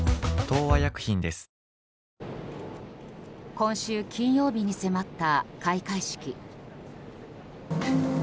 今週金曜日に迫った開会式。